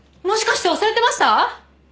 もしかして忘れてました！？